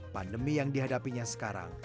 pandemi yang dihadapinya sekarang